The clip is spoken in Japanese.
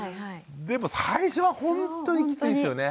でも最初はほんとにきついですよね。